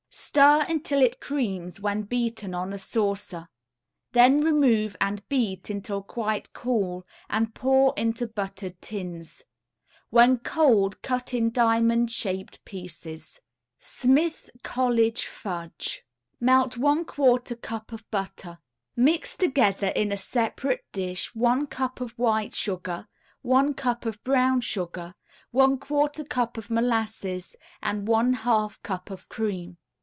Stir until it creams when beaten on a saucer. Then remove and beat until quite cool and pour into buttered tins. When cold cut in diamond shaped pieces. SMITH COLLEGE FUDGE [Illustration: SMITH COLLEGE FUDGE.] Melt one quarter cup of butter. Mix together in a separate dish one cup of white sugar, one cup of brown sugar, one quarter cup of molasses and one half cup of cream.